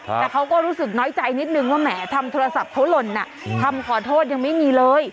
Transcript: แต่เขาก็รู้สึกน้อยใจนิดนึงว่าแหมทำโทรศัพท์เขาหล่นอ่ะคำขอโทษยังไม่มีเลย